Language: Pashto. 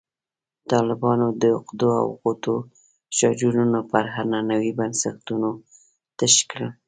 طالبانو د عقدو او غوټو شاجورونه پر عنعنوي بنسټونو تش کړل.